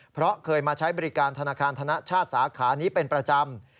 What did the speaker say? เพราะเคยมาใช้บริการธนาคารธนชาติสาขานี้เป็นประจำ